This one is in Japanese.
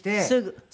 すぐ。